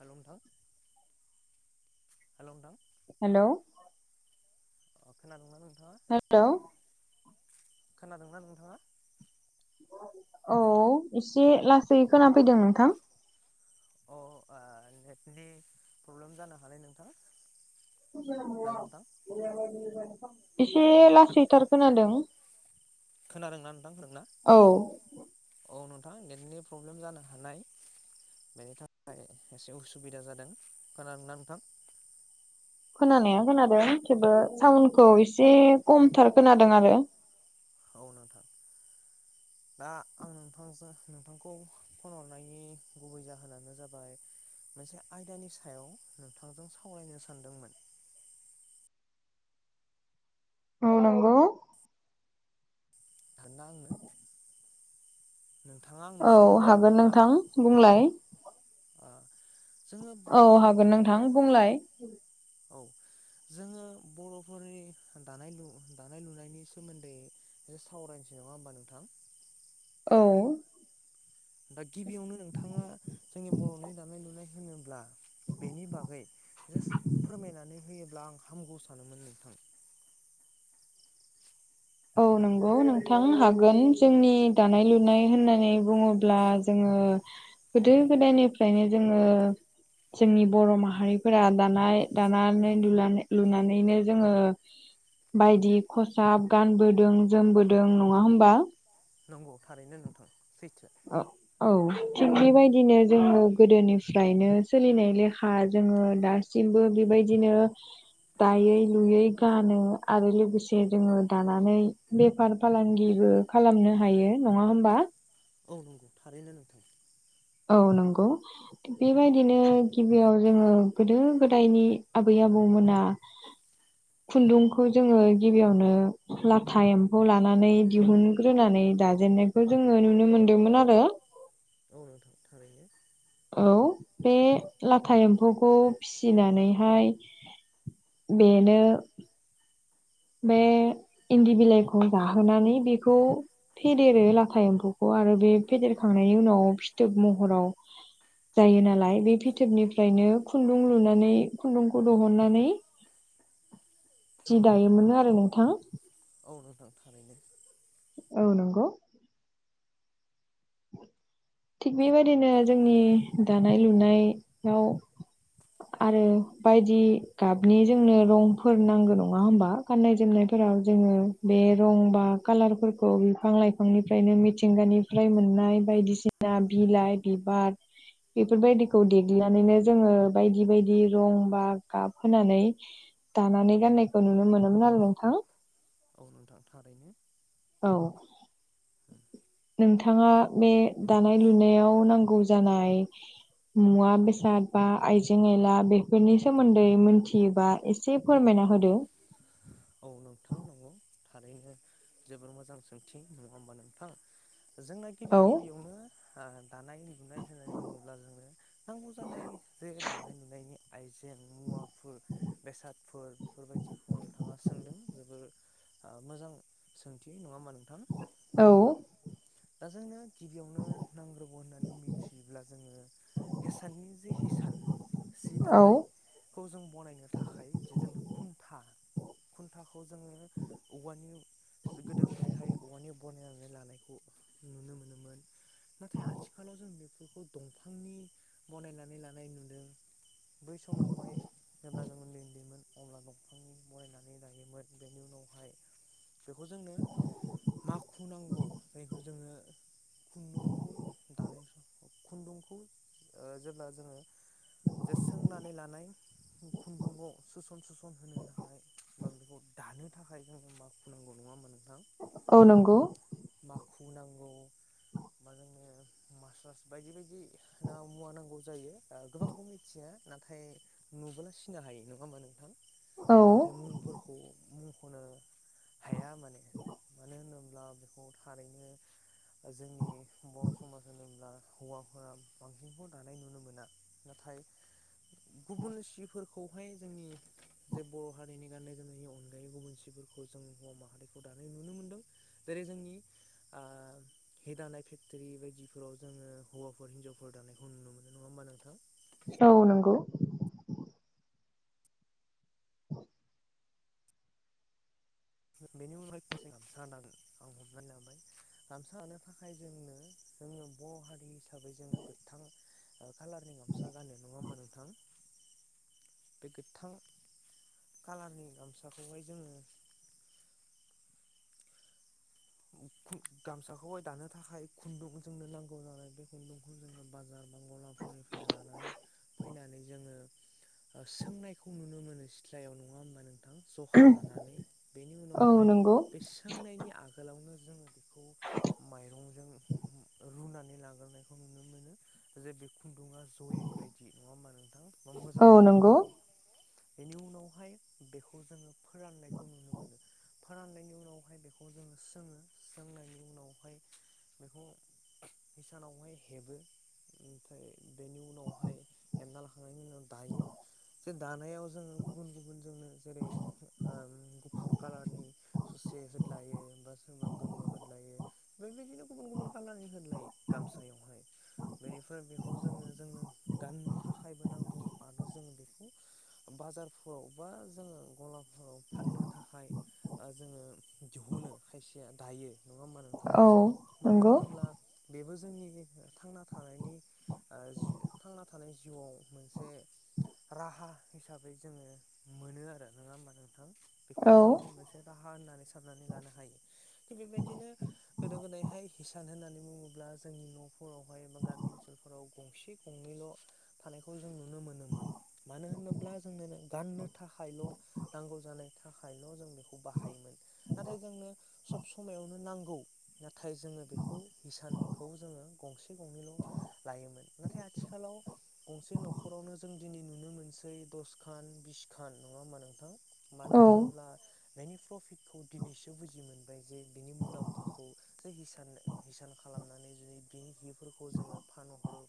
हेल' नोंथां हेल' नोंथां हेल' अ खोनादोंना नोंथां हेल' खोनादोंंना नोंथाङा औ एसे लासै खोनाफैदों नोंथां अ आ नेटनि प्रब्लेम जानो हानाय नोंथां हेल' नोंथां एसे लासैथार खोनादों खोनादों ना नोंथां नोंना औ औ नो थां नेटनि प्रब्लेम जानो हानाय बेनि थाखाय एसे उसुबिदा जादों खोनादों ना नोंथां खोनानाया खोनादों थेवबो साउन्डखौ एसे खमथार खोनादों आरो औ नोंथां दा आं नोंथांजों नोंथांखौ फन हरनायनि गुबै जाहोनानो जाबाय मोनसे आयदानि सायाव नोंथांजों सावरायनो सानदोंमोन औ नंगौ खानना आंनो नोंथाङा आंनो सम औ होनो हागोन ना नोंथां बुंलाय ओ जोङो औ बर'फोरनि हागोन दानाय नोंथां बुंलाय औ जोङो बर'फोरनि दानाय लु दानाय लुनायनि सोमोन्दै एसे सावरायनोसै नङा होमबा नोंथां औ दा गिबियावनो नोंथाङा जोंनि बर'नि दानाय लुनाय होनोब्ला बेनि बागै जास फोरमायनानै होयोब्ला आं हामगौ सानोमोन नोंथां [unintelligible] औ नंगौ नोंथां हागोन जोंनि दानाय लुनाय होननानै बुङोब्ला जोङो ङो गोदो गोदायनिफ्रायनो जोङो जोंनि बर' माहारिफोरा दानाय दानानै लुनानै लुनानैनो जोङो बायदि खसाब गानबोदों जोमबोदों नङा होमबा नंगौ थारैनो नोंथां सैथो औ औ थिग बेबायदिनो जोङो गोदोनिफ्रायनो सोलिनाय लेखा जोङो दासिमबो बेबाय बायदिनो दायै लुयै गानो आरो लोगोसे जोङो दानानै बेफार फालांगि बो खालामनो हायो नङा होमबा औ नंगौ थारैनो नोंथां औ नंगौ थिग बेबायदिनो गिबियाव जोङो गोदो गोदायनि आबै आबौमोना खुन्दुंखौ जोङो गिबियावनो लाथा एम्फौ लानानै दिहुनग्रोनानै नै दाजेननायखौ जोङो नुनो मोनदोंमोन आरो औ नोंथां थारैनो औ बे लाथा एम्फौखौ फिसिनानैहाय बेनो बे इन्दि बिलाइखौ जाहोनानै बेखौ फेदेरो लाथा एम्फौखौ आरो बे फेदेरखां नायनि उनाव फिथोब महराव जायो नालाय बे फिथोबनिफ्रायनो खुन्दुं लुनानै खुन्दुंखौ दुहनबैनानै जि दायोमोन आरो नोंथां औ नोंथां थारैनो औ नंगौ थिग बेबायदिनो जोंनि दानाय लुनाय आव आरो बायदि गाबनि जोंनो रंफोर नांगो नङा होमबा गाननाय जोमनाय फोराव जोङो बे रं बा कालारफोरखौ बिफां लाइफांनिफ्रायनो मिथिंगानिफ्राय मोन नाय बायदिसिना बिलाइ बिबार बेफोरबायदिखौ देग्लिनानैनो जोङो बायदि बायदि रं बा गाब होनानै दानानै गाननायखौ नुनो मोनोमोन आरो नोंथां औ नोंथां थारैनो औ नोंथाङा बे दानाय लुनायाव नांगौ जानाय मुवा बेसाद बा आइजें आयला बेफोरनि सोमोन्दै मिथियोबा एसे फोरमायनो नाहोदो [inaudible] औ नोंथां नंगौ थारैनो जोबोर मोजां सोंथि नङा होमबा नोंथां जोंना गिबि औ गिबियावनो ओ दानाय लुनाय होननानै बुङोब्ला जोंनो नांगौ जानाय ज दानाय लुनायनि आइजें मुवाफोर बेसादफोर बेफोरबायदिखौ नोंथाङा सोंदों जोबोर मोजां सोंथि नङा होमब्ला नोंथां औ दा जोङो गिबियावनो नांग्रोगौ होननानै मिथियोब्ला जोङो हिसाननि जे हिसान सि औ दानायखौ जों बनायनो थाखाय जोंनो खुन्था खुन्थाखौ जोङो औवानि गोदो गोदायहाय औवानि बनायनानै लानायखौ नुनो मोनोमोन नाथाय आथिखालाव जों बेफोरखौ दंफांनि बनायनानै लानाय नुदों बै समावहाय जेब्ला जों उन्दै उन्दैमोन अब्ला दंफां बनायनानै दायोमोन बेनि उनावहाय बेखौ जोंनो माखु नांगौ जायखौ जोङो खुन्दुंखौ दानाय सम खुन्दुंखौ जेब्ला जोङो जे सोंनानै लानाय खुन्दुंखौ सोसन सोसन होनो थाखाय बा बेखौ दानो थाखाय जों माखु नांगौ नङा होनबा नोंथां औ नंगौ माखु नांगौ मा जोंनो मासारस बायदि बायदि ना मुवा नांगौ जायो गोबांखौ मिथिया नाथाय नुबोला सिनो हायो नङा होमबा नोंथां औ नाथाय मुंफोरखौ होननो हाया माने मानो होनोब्ला बेखौ थारैनो जोंनि बर' समाज होनोब्ला हौवाफोरा बांसिनखौ दानाय नुनो मोना नाथाय थाय गुबुन सिफोरखौहाय जोंनि जे बर' हारिनि गाननाय जोमनायनि अनगायै गुबुन सि फोरखौ जों हौवा माहारिखौ दानाय नुनो मोनदों जेरै जोंनि ओ हि दानाय फेक्टरि बायदिफोराव जोङो हौवाफोर हिन्जावफोर दानायखौ नुनो मोनो नङा होमबा नोंथां औ नंगौ बेनि अनगायै खनसे गामसा दागोन आं हमनानै लाबाय गामसा दानो थाखाय जोंनो जोङो बर' हारि हिसाबै जोङो गोथां कालारनि गामसा गाननो नङा होमा नोंथां बे गोथां कालारनि गामसाखौहाय जोङो आ गामसाखौहाय दानो थाखाय खुन्दुं जोंनो नांगौ जानाय बे खुन्दुंखौ जोङो बाजार नांगौ निफ्राय लानानै फैनानै जोङो सोंनायखौ नुनो मोनो सिथ्लायाव नङा होमबा नोंथ जखा लानानै बेनि औ उनावहाय नंगौ बे सोंनायनि आगोल माइरंजों रुनानै लाग्रोनायखौ नुनो मोनो जे बे खुनदुंया जयै बायदि नङा होमबा नोंथां मोजां औ जानाय नंगौ बायदि बेनि उनावहाय बेखौ जोङो फोराननायखौ नुनो मोनो फोराननायनि उनावहाय बेखौ जोङो सोङो सोंनायनि उनावहाय बेखौ हिसानावहाय हेबो ओमफ्राय बेनि उनावहाय एमना लाखांनायनि उनाव दायो। जे दानायाव जोङो गुबुन गुबुन जोंनो जेरै ओ गुफुर कालारनि एसे होदलायो बा सोरबा गोमो होदलायो बेबायदिनो गुबुन गुबुन कालारनि होदलायो गामसायावहाय बेनिफ्राय बेखौ जोङो जोंनो गाननो थाखायबो नांगौ आरो जोंङो बेखौ बाजारफोराव बा जोङो गलाफोराव फाननो थाखाय ओ जोङो दिहुनो खायसेया दायो नङा होमबा नोंथां औ नंगौ मानो नंगौ होनोब्ला बेबो जोंनि थांना थानायनि ओ जि थांना थानायनि जिउआव मोनसे राहा हिसाबै जोङो मोनो आरो नोङा होमबा नोंथां औ बेखौबो जोङो मोनसे राहा होननानै साननानै लानो हायो। थिग बेबायदिनो गोदो गोदायहाय हिसान होननानै बुङोब्ला जोंनि न'फोरावहाय एबा गामि ओनसोलफोराव गंसे गंनैल' थानायखौ जों नुनो मोनोमोन मानो होनोब्ला जोंनो गाननो थाखायल' नांगौ जानाय थाखायल' जों बेखौ बाहायोमोन नाथाय जोंनो सब समायावनो नांगौ नाथाय जोङो बेखौ हिसानखौ जोङो गंसे गंनैल' लायोमोन नाथाय आथिखालाव गंसे न'खरावनो जों दिनै नुनो मोनसै दसखान बिसखान नङा होमबा नोंथां मानो औ होनोब्ला बेनि प्रफिटखौ दिनैसो बुजि मोन- बाय जे बिनि मुलाम्फाखौ जे हिसान हिसान खालामनानै जुदि बेनि हिफोरखौ जोङो फानहरो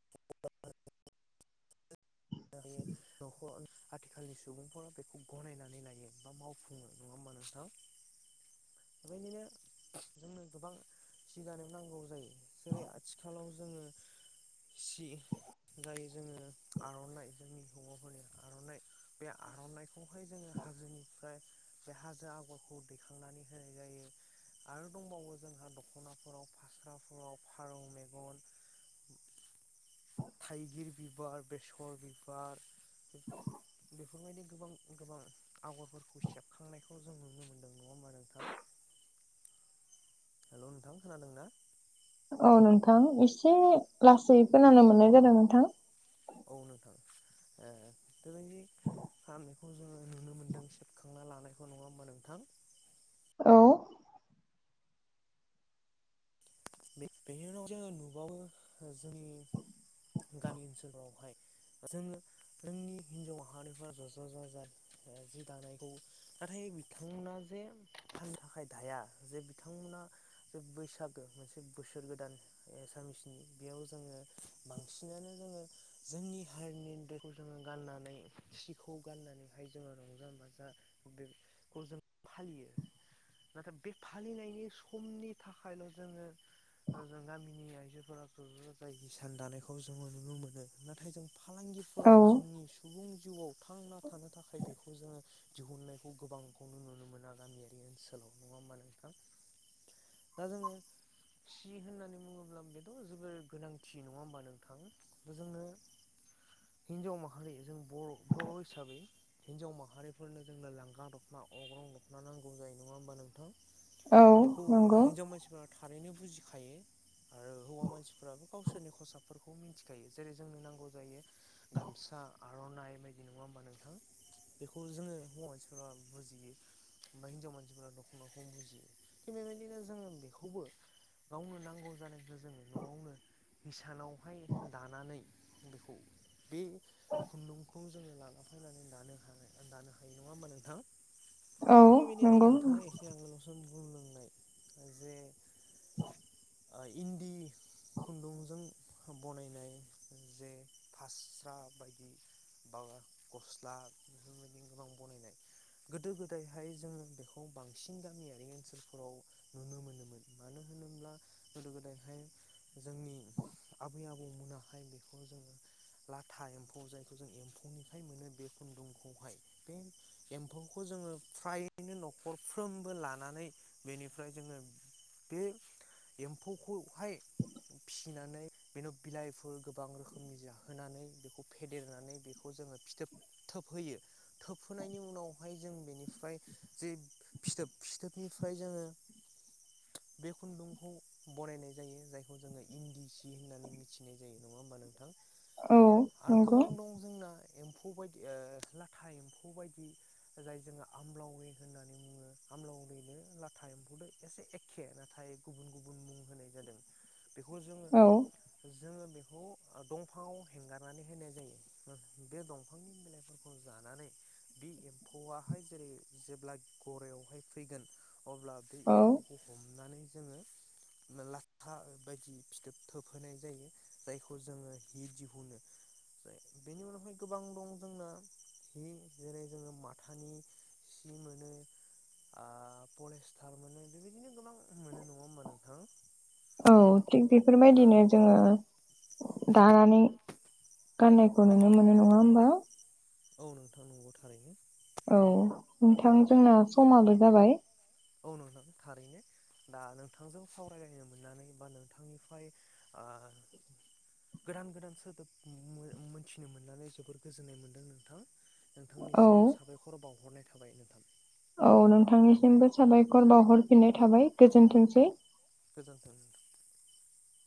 [unintelligible] नखर आथिखालनि सुबुंफोरा बेखौ गनायनानै लायो बा मावफुङो नङा होमबा नोंथां बेबायदिनो जोंनो गोबां सि दानायाव नांगौ जायो जेरै आथिखालाव जोङो सि जाय जोङो आर'नाइ जोंनि हौवाफोरनि आर'नाइ बे आर'नाइखौहाय जोङो हाजोनिफ्राय बे हाजो आगरखौ दैखांनानै होनाय जायो। आरो दंबावो जोंहा दख'नाफोराव फास्राफोराव फारौ मेगन थाइगिर बिबार बेसर बि- बार बे बेफोरबायदि गोबां गोबां आगरफोरखौ सेबखांनायखौ जों नुनो मोन्दों नङा होमबा नोंथां हेलौ नोंथां खोनादों ना औ नोंथां एसे लासै खोनानो मोननाय जादों नोंथां औ नोंथां ए दोनै फामेखौ जोङो नुनो मोन्दों सेबखांना लानायखौ नङा होमबा नोंथां औ बेनि उनाव जोङो नुबावो जोंनि गामि ओनसोलावहाय जोङो जोंनि हिन्जाव हारिफ्रा ज' ज' जा जाइ जि दानायखौ नाथाय बिथांमोना जे फाननो थाखाय दाया जे बिथांमोना जे बैसागो मोनसे बोसोर गोदान एसामिसनि बेयाव जोङो बांसिनानो जोङो जोंनि बाहेरनि देखौ जोङो गाननानै सिखौ गाननानैहाय जोङो रंजा बाजा बे खौ जों फालियो नाथाय बे फालिनायनि समनि थाखायल' जोङो जों गामिनि आइजोफोरा ज' ज' जा जाय हिसान दानायखौ जोङो नुनो मोनो नाथाय जों फालांगिफोराव औ जोंनि सुबुं जिउआव थांना थानो थाखाय बेखौ खौ जोङो दिहुननायखौ गोबांखौनो नुनो मोना गामियारि ओनसोलाव नङा होमबा नोंथां दा जोङो सि होननानै बुङोब्ला बेथ' जोबोर गोनांथि नङा होमबा नोंथां जोंनो हिनजाव माहारि जों बर' बर' हिसाबै हिनजाव माहारिफोरनो जोंनो लांगा दखना अग्रं दखना नांगौ जायो नङा होमबा नोंथां औ बेखौ नंगौ हिन्जाव मानसिफ्रा थारैनो बुजिखायो आरो हौवा मानसिफोराबो गावसोरनि खसाबफोरखौ मिथिखायो जेरै जोंनो नांगौ जायो गामसा आर'नाइ बायदि नङा होमबा नोंथां बेखौ जोङो हौवा मानसिफोरा बुजियो बा हिनजाव मानसिफोरा दख' नखौम बुजियो थिग बेबायदिनो जों बेखौबो गावनो नांगौ जानायखौ जोङो न'आवनो इसानावहाय दानानै बेखौ बे खुन्दुंखौ जोङो लानाफैनानै दानो हानाय दानो हायो नङा होमबा नोंथां औ थिग बेबादिनो नंगौ नोंथाङा एसे आगोलावसो बुंलांनाय जे इन्दि खुन्दुंजों बनायनाय जे फास्रा बायदि बा गस्ला बेफोरबायदि गोबां बनायनाय गोदो गोदायहाय जोङो बेखौ बांसिन गामियारि ओनसोलफोराव नुनो मोनोमोन मानो होनोब्ला गोदो गोदायहाय जोंनि आबै आबौ मोनाहाय बेखौ जोङो लाथा एम्फौ जायखौ जों एम्फौनिफ्राय मोनो बे खुन्दुंखौहाय बे एम्फौखौ जो ङो फ्रायैनो न'खरफ्रोमबो लानानै बेनिफ्राय जोङो बे एम्फौखौहाय फिसिनानै बेनाव बिलाइफोर गोबां रोखोमनि जाहोनानै बेखौ फेदेरनानै बेखौ जोङो फिथोब थोबहोयो थोबहोनायनि उनावहाय जों बेनिफ्राय जे फिथोब फिथोबनि फाय जोङो बे खुन्दुंखौ बरायनाय जायो जायखौ जोङो इन्दि सि होननानै मिथिनाय जायो नङा होमबा नों थां औ आरो नंगौ गोबां दं जोंना एम्फौ बायदि लाथा एम्फौ बायदि जाय जोङो आमलावि होननानै बुङो आमलाव उन्दैनो लाथा एम्फौदो एसे ए खे नाथाय गुबुन गुबुन मुं होनाय जादों बेखौ जोङो औ जोङो बेखौ दंफांआव हेंगारनानै होनाय जायो बे दंफांनि बिलाइफोरखौ जा नानै बे एम्फौआाहाय जेरै जेब्ला गरयावहाय फैगोन अब्ला बे औ एम्फौखौ हमनानै जोङो लाथा बायदि फिथोब थोबहोनाय जायो जायखौ जोङो हि दिहुनो बेनि उनावहाय गोबां दं जोंना हि जेरै जोङो माथानि सि मोनो पलेस्टार मोनो बेबायदिनो गोबां मोनो नङा होमबा नोंथां औ थिग दा बेफोरबायदिनो जोङो दानानै गाननायखौ नुनो मोनो नङा होमबा औ नोंथां नंगौ थारैनो औ नोंथां जोंना समाबो जाबाय औ नंथां थारैनो दा नोंथांजों सावरायलायनो मोननानै बा नोंथांनिफ्राय आ गोदान गोदान सोदोब मो मोनथिनो मोननानै जोबोर गोजोननाय मोन्दों नोंथां औ नोंथांनिसिम साबायखर बावहरनाय थाबाय नोंथां औ नोंथांनिसिमबो साबायखर बावहरफिननाय थाबाय गोजोनथोंसै गोजोन्थों